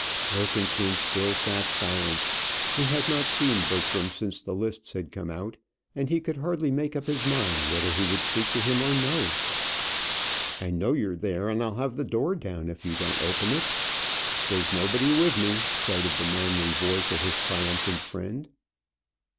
Wilkinson still sat silent. He had not seen Bertram since the lists had come out, and he could hardly make up his mind whether he could speak to him or no. "I know you're there, and I'll have the door down if you don't open it. There's nobody with me," shouted the manly voice of his triumphant friend.